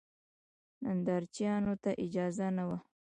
نندارچیانو ته اجازه نه وه.